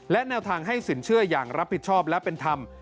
และแนวทางให้สินเชื่ออย่างรับผิดชอบและเป็นธรรม